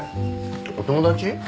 お友達？